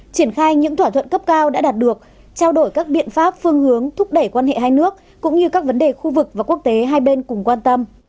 triển khai những thỏa thuận cấp cao đã đạt được trao đổi các biện pháp phương hướng thúc đẩy quan hệ hai nước cũng như các vấn đề khu vực và quốc tế hai bên cùng quan tâm